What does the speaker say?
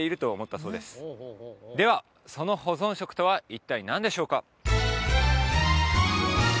その保存食とは一体何でしょうか？